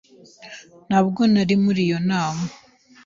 Ntabwo nari muri iyo nama.